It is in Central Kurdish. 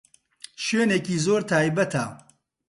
شوێنێکی زۆر تایبەتە.